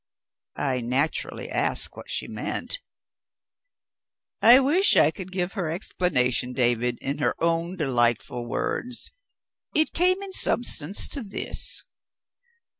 I naturally asked what she meant. I wish I could give her explanation, David, in her own delightful words. It came in substance to this.